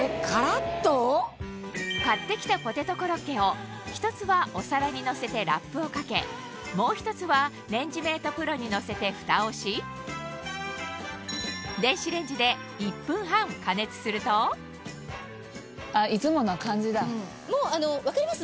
買ってきたポテトコロッケを１つはお皿にのせてラップをかけもう１つはレンジメートプロにのせてフタをしもう分かります？